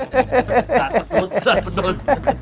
takut takut pedut